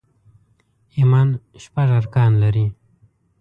ايمان شپږ ارکان لري